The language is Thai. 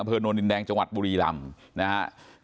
อเภอโนรินแดงจังหวัดบุรีลำนะฮะ